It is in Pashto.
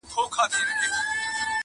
په افسانو کي به یادیږي ونه!!